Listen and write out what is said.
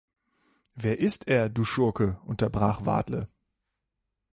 ‚Wer ist er, du Schurke,‘ unterbrach Wardle.